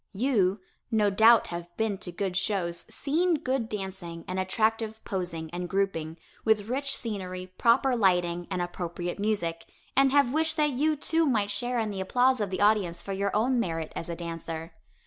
You, no doubt have been to good shows, seen good dancing and attractive posing and grouping, with rich scenery, proper lighting and appropriate music, and have wished that you, too, might share in the applause of the audience for your own merit as a dancer.